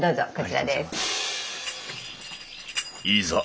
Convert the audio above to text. いざ